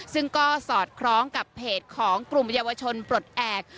ซึ่งก็สอดคล้องกับเพจของกลุ่มเยาวชนปลดแอบ